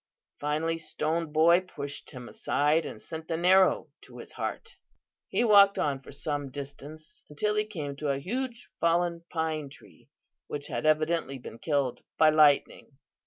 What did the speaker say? Finally Stone Boy pushed him aside and sent an arrow to his heart. "He walked on for some distance until he came to a huge fallen pine tree, which had evidently been killed by lightning.